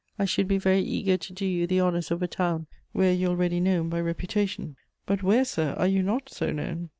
I should be very eager to do you the honours of a town where you are already known by reputation. But where, sir, are you not so known?